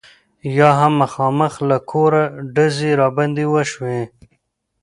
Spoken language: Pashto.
یا هم مخامخ له کوره ډزې را باندې وشي.